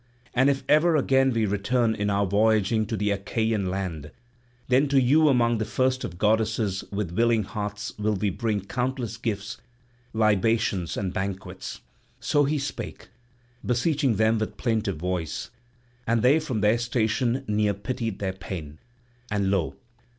And if ever again we return in our voyaging to the Achaean land, then to you among the first of goddesses with willing hearts will we bring countless gifts, libations and banquets." So he spake, beseeching them with plaintive voice; and they from their station near pitied their pain; and lo!